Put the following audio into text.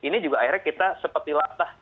ini juga akhirnya kita seperti latah